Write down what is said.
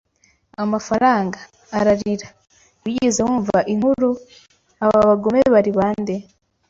“Amafaranga!” ararira. “Wigeze wumva inkuru? Aba bagome bari bande